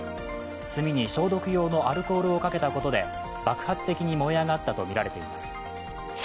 炭に消毒用のアルコールをかけたことで爆発的に燃え上がったとみられています。